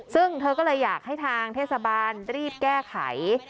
ซึ่งเธอก็เลยอยากให้ทางเทศบาลรีบแก้ไข